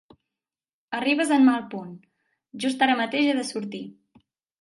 Arribes en mal punt. Just ara mateix he de sortir.